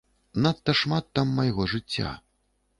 Надта шмат там майго жыцця.